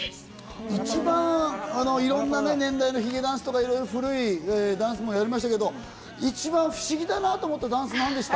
一番いろんな年代のヒゲダンスとかいろいろ古いダンスもやりましたけど一番不思議だなと思ったダンス何でした？